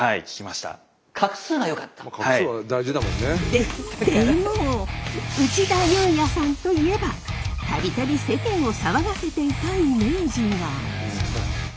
ででも内田裕也さんといえば度々世間を騒がせていたイメージが。